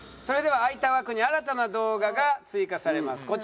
それでは空いた枠に新たな動画が追加されます。